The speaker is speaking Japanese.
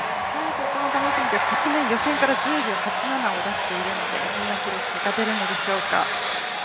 とっても楽しみですね、予選から１０秒８７を出しているので、どんな記録が出るのでしょうか。